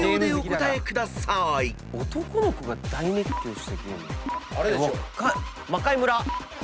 男の子が大熱狂したゲーム？え！